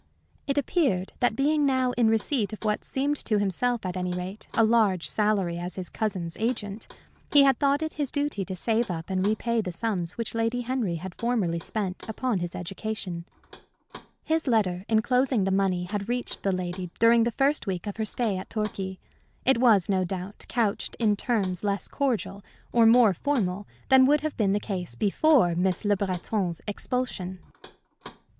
It appeared that being now in receipt of what seemed to himself, at any rate, a large salary as his cousin's agent, he had thought it his duty to save up and repay the sums which Lady Henry had formerly spent upon his education. His letter enclosing the money had reached that lady during the first week of her stay at Torquay. It was, no doubt, couched in terms less cordial or more formal than would have been the case before Miss Le Breton's expulsion.